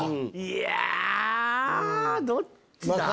いやどっちだ？